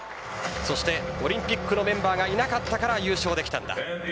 そしてオリンピックのメンバーがいなかったから優勝できたんだ。